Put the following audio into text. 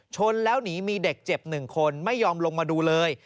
ชนแล้วหนีมีเด็กเจ็บ๑คนไม่ยอมลงมาดูเลย